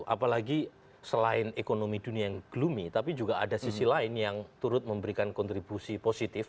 apalagi selain ekonomi dunia yang gloomy tapi juga ada sisi lain yang turut memberikan kontribusi positif